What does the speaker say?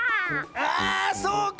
あそうか！